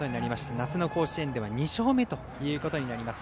夏の甲子園では２勝目ということになります。